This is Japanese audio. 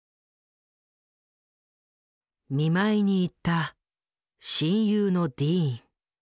見舞いに行った親友のディーン。